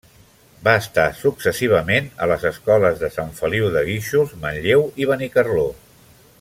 Va estar successivament les escoles de Sant Feliu de Guíxols, Manlleu i Benicarló.